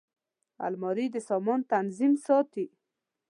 الماري د سامان تنظیم ساتي